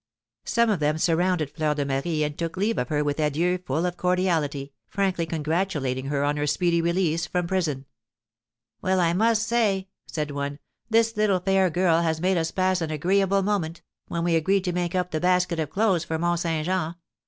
Some of them surrounded Fleur de Marie, and took leave of her with adieux full of cordiality, frankly congratulating her on her speedy release from prison. "Well, I must say," said one, "this little fair girl has made us pass an agreeable moment, when we agreed to make up the basket of clothes for Mont Saint Jean.